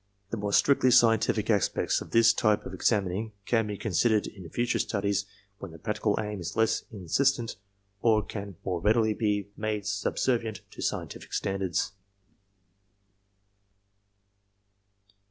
The more strictly scientific aspects of this type of examining can be con sidered in future studies when the practical aim is less insistent or can more readily be made subservient to scientific standards.